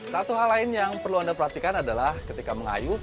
satu hal lain yang perlu anda perhatikan adalah ketika mengayu